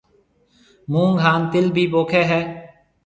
مونگ ھان تِل ڀِي پوکيَ ھيََََ